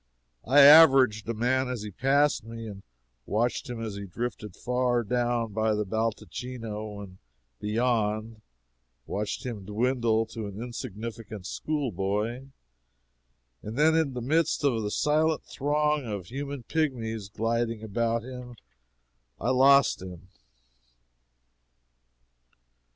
I "averaged" a man as he passed me and watched him as he drifted far down by the baldacchino and beyond watched him dwindle to an insignificant school boy, and then, in the midst of the silent throng of human pigmies gliding about him, I lost him.